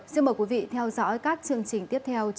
xin mời quý vị theo dõi các chương trình tiếp theo trên anntv